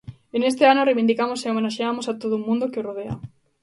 E neste ano, reivindicamos e homenaxeamos a todo un mundo que o rodea.